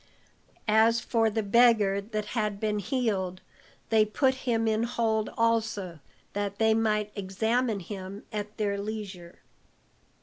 As for the beggar that had been healed, they put him in hold also, that they might examine him at their leisure.